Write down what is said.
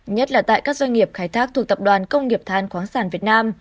nhất là tại các doanh nghiệp khai thác thuộc tập đoàn công nghiệp than khoáng sản việt nam